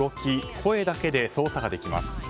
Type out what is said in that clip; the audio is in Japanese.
声だけで操作ができます。